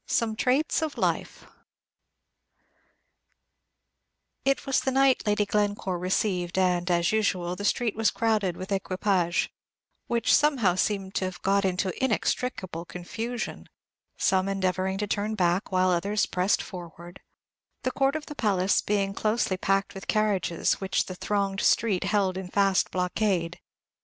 SOME TRAITS OF LIFE It was the night Lady Glencore received; and, as usual, the street was crowded with equipages, which somehow seemed to have got into inextricable confusion, some endeavoring to turn back, while others pressed forward, the court of the palace being closely packed with carriages which the thronged street held in fast blockade.